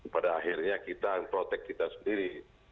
pada akhirnya kita yang protect kita sendiri